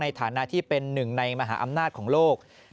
ในฐานะที่เป็นหนึ่งในมหาอำนาจของโลก